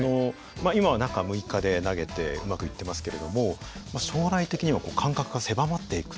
今は中６日で投げてうまくいってますけれども将来的には間隔が狭まっていく。